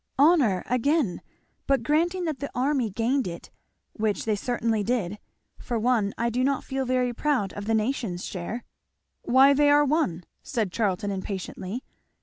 "Honour again! But granting that the army gained it, which they certainly did, for one I do not feel very proud of the nation's share." "Why they are one" said Charlton impatiently.